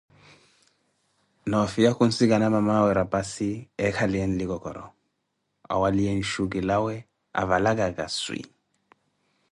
Nó fiya khunssikana mamawe rapassi ekaliye nlikokoroh, awaliye nshuki lawee avalakaka swi